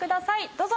どうぞ！